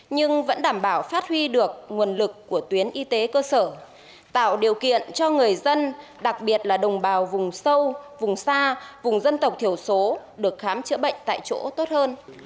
nhưng vẫn đảm bảo phát huy được nguồn lực của tuyến y tế cơ sở tạo điều kiện cho người dân đặc biệt là đồng bào vùng sâu vùng xa vùng dân tộc thiểu số được khám chữa bệnh tại chỗ tốt hơn